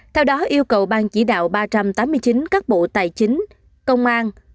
theo đó yêu cầu ban chỉ đạo ba trăm tám mươi chín các bộ tài chính công an